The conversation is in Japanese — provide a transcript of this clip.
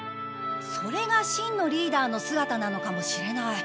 それが真のリーダーのすがたなのかもしれない。